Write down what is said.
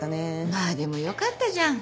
まあでもよかったじゃん。